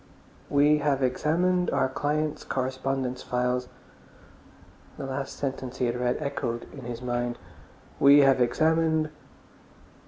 "We have examined our client's correspondence files...." The last sentence he had read echoed in his mind. "We have examined...."